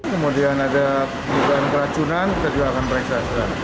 kemudian ada dugaan keracunan kita juga akan periksa